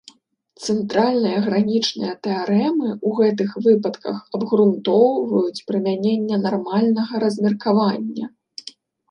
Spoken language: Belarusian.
Цэнтральныя гранічныя тэарэмы ў гэтых выпадках абгрунтоўваюць прымяненне нармальнага размеркавання.